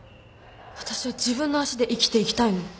私は自分の足で生きていきたいの。